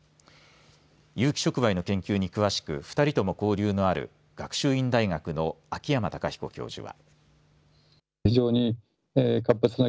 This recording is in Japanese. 有機触媒の研究に詳しく２人とも交流のある学習院大学の秋山隆彦教授は。